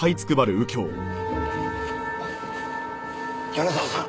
米沢さん！